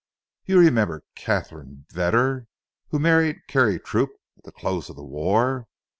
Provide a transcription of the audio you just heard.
You remember Katharine Vedder who married Carey Troup at the close of the war.